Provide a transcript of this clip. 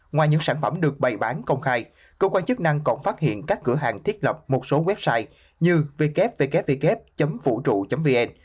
ngoài những sản phẩm được bày bán công khai cơ quan chức năng còn phát hiện các cửa hàng thiết lập một số website như ww vn